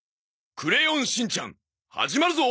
『クレヨンしんちゃん』始まるぞ。